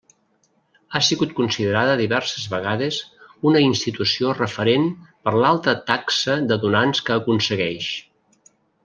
Ha sigut considerada diverses vegades una institució referent per l'alta taxa de donants que aconsegueix.